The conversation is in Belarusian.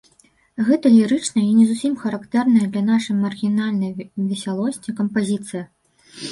Гэта лірычная і не зусім характэрная для нашай маргінальнай весялосці кампазіцыя.